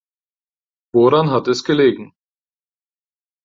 Woran hat es gelegen?